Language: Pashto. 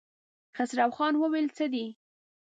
خسرو خان وويل: څه دي؟